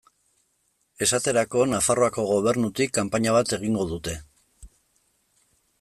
Esaterako Nafarroako Gobernutik kanpaina bat egingo dute.